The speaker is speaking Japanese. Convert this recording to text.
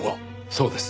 そうです。